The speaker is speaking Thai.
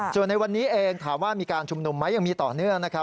ส่วนในวันนี้เองถามว่ามีการชุมนุมไหมยังมีต่อเนื่องนะครับ